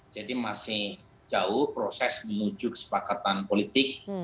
jadi masih jauh proses menuju kesepakatan politik